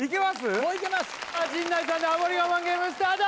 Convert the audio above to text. もういけます陣内さんでハモリ我慢ゲームスタート